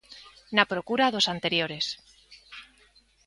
Na procura dos anteriores.